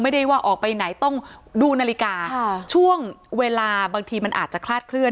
ไม่ได้ว่าออกไปไหนต้องดูนาฬิกาช่วงเวลาบางทีมันอาจจะคลาดเคลื